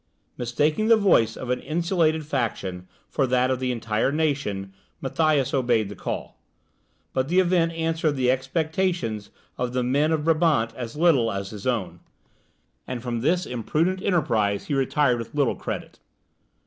Mistaking the voice of an insulated faction for that of the entire nation, Matthias obeyed the call. But the event answered the expectations of the men of Brabant as little as his own, and from this imprudent enterprise he retired with little credit.